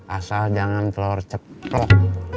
asal jangan telur ceplok